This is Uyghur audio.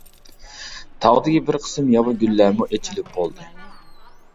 تاغدىكى بىر قىسىم ياۋا گۈللەرمۇ ئېچىلىپ بولدى.